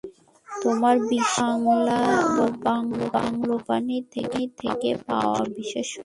তোমার বিশাল bungalow, company থেকে পাওয়া বিশেষ সুবিধা।